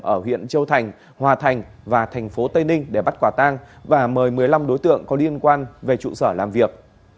ở huyện châu thành hòa thành và thành phố tây ninh để bắt quả tang và mời một mươi năm đối tượng có liên quan về trụ sở làm việc